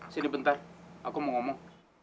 sini bentar aku mau ngomong